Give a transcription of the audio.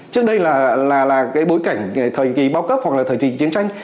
trước đây là cái bối cảnh thời kỳ bao cấp hoặc là thời kỳ chiến tranh